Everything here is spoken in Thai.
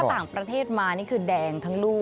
ต่างประเทศมานี่คือแดงทั้งลูก